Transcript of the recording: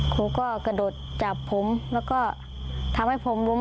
ครูก็กระโดดจับผมแล้วก็ทำให้ผมล้ม